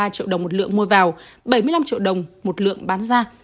ba triệu đồng một lượng mua vào bảy mươi năm triệu đồng một lượng bán ra